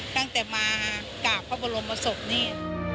ตั้งแต่มากราบพระบรมศพนี่